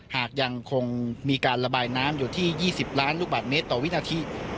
หากยังคงมีการระบายน้ำอยู่ที่๒๐ล้านลูกบาทเมตรต่อวินาที